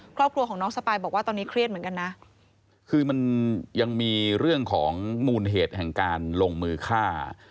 ครอบครัวของน้องสปายบอกว่าตอนนี้เครียดเหมือนกันนะคือมันยังมีเรื่องของมูลเหตุแห่งการลงมือฆ่า